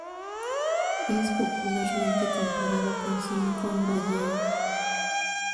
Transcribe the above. Es popularmente comparado con Silicon Valley.